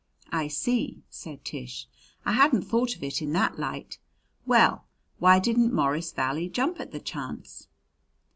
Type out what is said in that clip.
"I see," said Tish. "I hadn't thought of it in that light. Well, why didn't Morris Valley jump at the chance?"